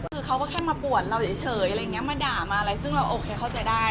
คือเขาก็แค่มาปวดเราเฉยมาด่ามอะไรซึ่งเราโอเคเข้าใจได้